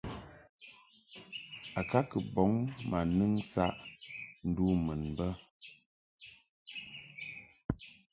A kɨ bɔŋ ma nɨŋ saʼ ndu mun bə.